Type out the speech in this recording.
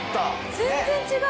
全然違う。